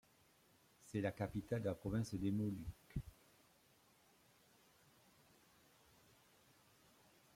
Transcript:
C'est la capitale de la province des Moluques.